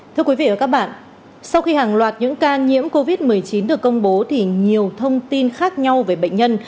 thưa quý vị và các bạn sau khi hàng loạt những ca nhiễm covid một mươi chín được công bố thì nhiều thông tin khác nhau về bệnh nhân